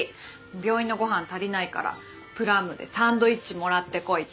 病院のご飯足りないからぷらむでサンドイッチもらってこいって。